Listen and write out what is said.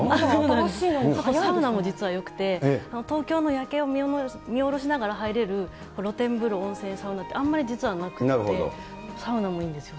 サウナも実はよくて、東京の夜景を見下ろしながら入れる露天風呂、温泉サウナって、あんまり実はなくて、サウナもいいんですよ。